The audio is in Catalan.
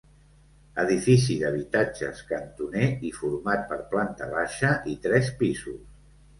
Edifici d'habitatges cantoner i format per planta baixa i tres pisos.